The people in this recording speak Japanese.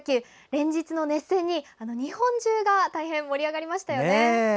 連日の熱戦に日本中が大変盛り上がりましたよね。